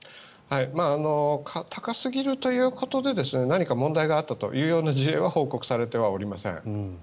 高すぎるということで何か問題があったという事例は報告されておりません。